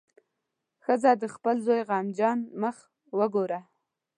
ښځه د خپل زوی غمجن مخ وګوره.